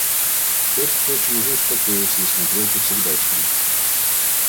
Тот, впрочем, уже успокоился и смотрел по-всегдашнему.